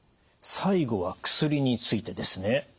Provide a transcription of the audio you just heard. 最後は薬についてですね。